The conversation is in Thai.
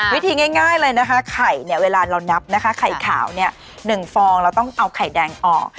วิธีง่ายเลยนะคะไข่เนี่ยเวลาเรานับนะคะไข่ขาวเนี่ย๑ฟองเราต้องเอาไข่แดงออก